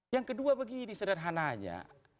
yang kedua begini sederhananya